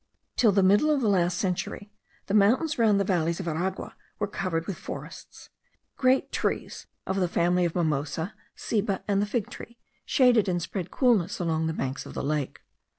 Till the middle of the last century, the mountains round the valleys of Aragua were covered with forests. Great trees of the families of mimosa, ceiba, and the fig tree, shaded and spread coolness along the banks of the lake.